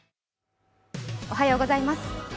おはようございます。